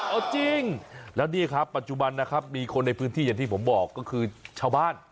เอาจริงแล้วนี่ครับปัจจุบันนะครับมีคนในพื้นที่อย่างที่ผมบอกก็คือชาวบ้าน